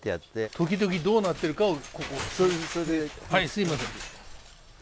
時々どうなってるかをはいすみません。